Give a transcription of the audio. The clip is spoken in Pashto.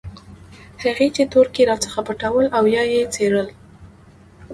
هغه چې تورکي راڅخه پټول او يا يې څيرل.